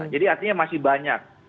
jadi artinya masih banyak